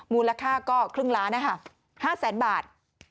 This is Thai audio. มูลค่าก็ครึ่งล้านนะคะ๕แสนบาท